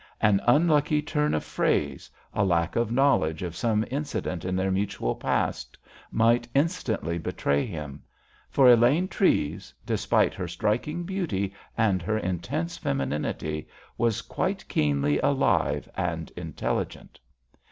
An unlucky turn of phrase, a lack of knowledge of some incident in their mutual past, might instantly betray him. For Elaine Treves, despite her striking beauty and her intense femininity, was quite keenly alive and intelligent.